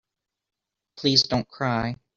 Please don't cry.